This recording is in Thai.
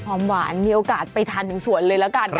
หวานมีโอกาสไปทานถึงสวนเลยแล้วกัน